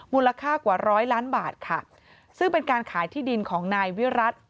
มูลค่ากว่าร้อยล้านบาทค่ะซึ่งเป็นการขายที่ดินของนายวิรัติ